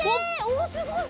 おおすごい！